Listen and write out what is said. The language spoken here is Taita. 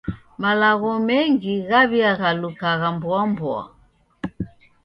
Malagho mengi ghaw'iaghalukagha mboamboa.